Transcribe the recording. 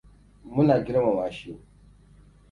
Muna girmama shi.